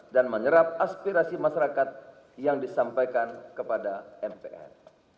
dan menyerap aspirasi masyarakat yang disampaikan kepada mpr